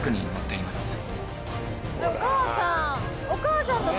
お母さん！